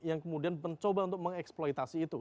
yang kemudian mencoba untuk mengeksploitasi itu